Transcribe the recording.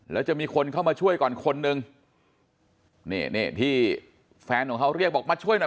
แล้วจะมีคนเข้ามาช่วยก่อนคนนึงนี่นี่ที่แฟนของเขาเรียกบอกมาช่วยหน่อย